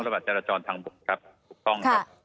คำถามพรจรจรทางปกครับถูกต้องครับ